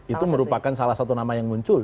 itu merupakan salah satu nama yang muncul